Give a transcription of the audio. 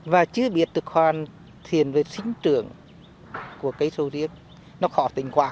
và chứ biết thực hoàn thiền vệ sinh trường của cây sầu riêng nó khó tình quả